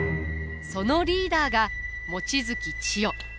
そのリーダーが望月千代。